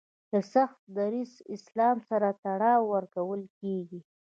له سخت دریځه اسلام سره تړاو ورکول کیږي